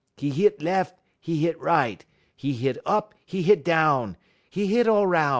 'E hit lef', 'e hit right; 'e hit up, 'e hit down; 'e hit all 'roun'.